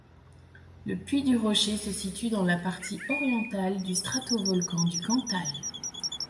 Le puy du Rocher se situe dans la partie orientale du stratovolcan du Cantal.